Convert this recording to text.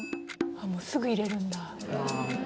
あっもうすぐ入れるんだ？